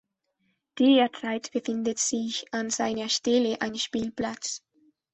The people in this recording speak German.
Derzeit befindet sich an seiner Stelle ein Spielplatz.